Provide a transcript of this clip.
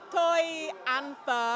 tôi ăn phở